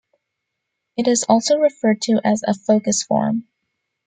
It is also referred to as a focus form.